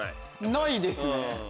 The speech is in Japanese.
ないですね。